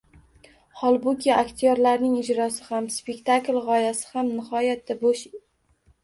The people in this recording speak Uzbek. Holbuki aktyorlarning ijrosi ham, spektakl g‘oyasi ham nihoyatda bo‘sh…